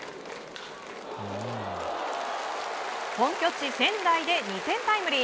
本拠地・仙台で２点タイムリー。